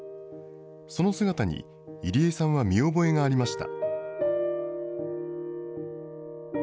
その姿に、入江さんは見覚えがありました。